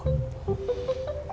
hmm ya apa aja beb